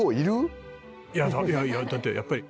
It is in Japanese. いやいやだってやっぱり。